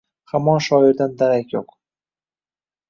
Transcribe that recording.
…Hamon shoirdan darak yo‘q.